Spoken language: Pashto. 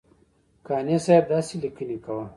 قانع صاحب داسې لیکنې کوه.